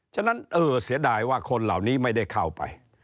ฉะนั้นเออเสียดายว่าคนเหล่านี้ไม่ได้เข้าไป